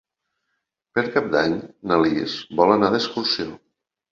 Per Cap d'Any na Lis vol anar d'excursió.